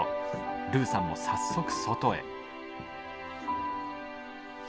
ルーさんも早速外へ。